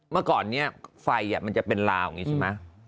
เมื่อก่อนนี้ไฟมันจะเป็นลาวอย่างนี้ใช่ไหม